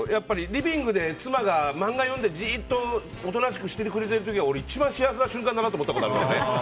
リビングで妻が漫画を読んでじっとおとなしくしてくれる時は一番幸せな瞬間だなって思ったことあるからね。